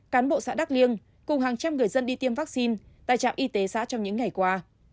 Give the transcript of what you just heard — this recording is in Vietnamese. cán bộ xã đắk liêng cùng hàng trăm người dân đi tiêm vaccine tại trạm y tế xã trong những ngày qua